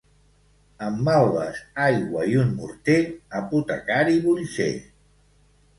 Amb malves, aigua i un morter, apotecari vull ser.